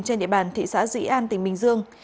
trên địa bàn thị xã dĩ an tỉnh bình dương